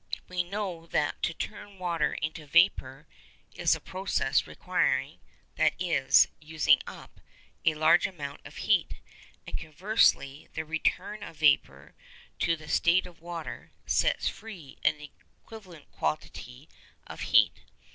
We know that to turn water into vapour is a process requiring—that is, using up—a large amount of heat; and, conversely, the return of vapour to the state of water sets free an equivalent quantity of heat.